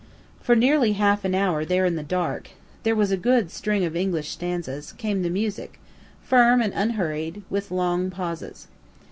For nearly half an hour there in the dark (there was a good string of English stanzas,) came the music, firm and unhurried, with long pauses.